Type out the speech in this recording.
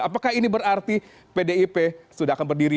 apakah ini berarti pdip sudah akan berdiri